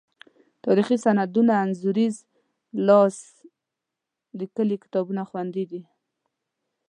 تاریخي سندونه، انځوریز لاس لیکلي کتابونه خوندي دي.